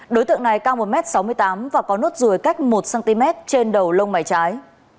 đối tượng này cao một m sáu mươi tám và có nốt ruồi cách một cm trên đầu lông mảy trái